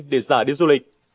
để giả đi du lịch